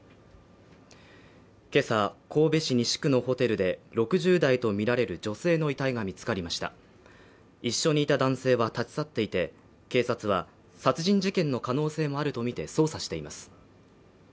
今朝神戸市西区のホテルで６０代とみられる女性の遺体が見つかりました一緒にいた男性は立ち去っていて警察は殺人事件の可能性もあるとみて捜査しています